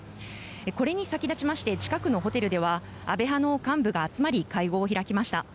これに先立ちまして近くのホテルでは安倍派の幹部が集まり会合を開きました。